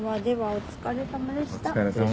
お疲れさまでした。